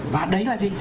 và đấy là gì